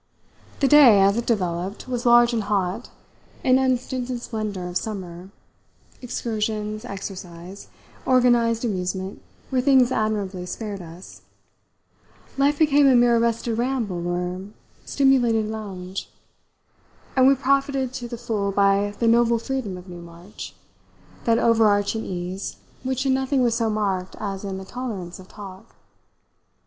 The day, as it developed, was large and hot, an unstinted splendour of summer; excursions, exercise, organised amusement were things admirably spared us; life became a mere arrested ramble or stimulated lounge, and we profited to the full by the noble freedom of Newmarch, that overarching ease which in nothing was so marked as in the tolerance of talk.